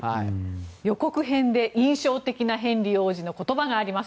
予告編で印象的なヘンリー王子の言葉があります。